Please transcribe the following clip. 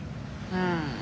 うん。